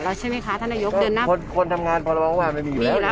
ก็จะไปถามคนนี้จะเป็นหรือเปล่า